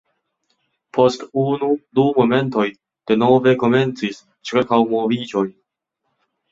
Post unu, du momentoj denove komencis ĉirkaŭmoviĝo.